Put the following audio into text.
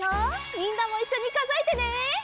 みんなもいっしょにかぞえてね！